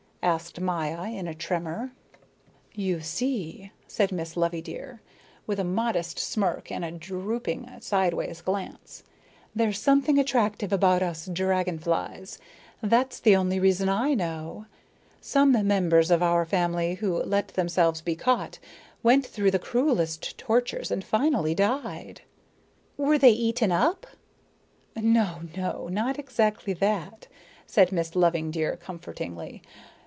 asked Maya in a tremor. "You see," said Miss Loveydear, with a modest smirk and a drooping, sidewise glance, "there's something attractive about us dragon flies. That's the only reason I know. Some members of our family who let themselves be caught went through the cruellest tortures and finally died." "Were they eaten up?" "No, no, not exactly that," said Miss Loveydear comfortingly.